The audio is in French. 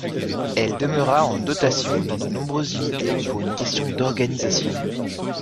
Elle demeura en dotation dans de nombreuses unités pour une question d'organisation.